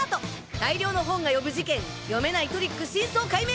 大量の本が呼ぶ事件読めないトリック真相解明！